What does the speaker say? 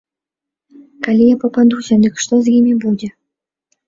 Калі я пападуся, дык што з імі будзе?